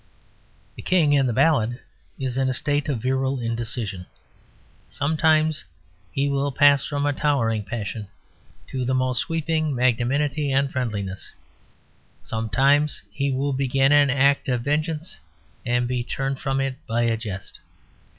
The King in the ballad is in a state of virile indecision. Sometimes he will pass from a towering passion to the most sweeping magnanimity and friendliness; sometimes he will begin an act of vengeance and be turned from it by a jest.